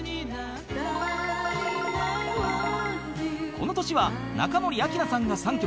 ［この年は中森明菜さんが３曲］